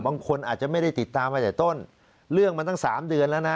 บางคนอาจจะไม่ได้ติดตามมาแต่ต้นเรื่องมันตั้งสามเดือนแล้วนะ